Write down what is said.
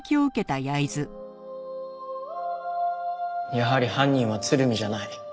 やはり犯人は鶴見じゃない。